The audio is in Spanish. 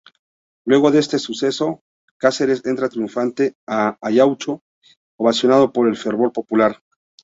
Luego de este suceso, Cáceres entra triunfante a Ayacucho, ovacionado por el fervor popular.